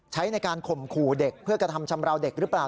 ใช้ในการข่มขู่เด็กเพื่อกระทำชำราวเด็กหรือเปล่า